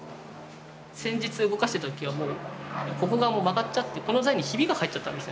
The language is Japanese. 先日動かしてたときはもうここが曲がっちゃってこの材にひびが入っちゃったんですよね。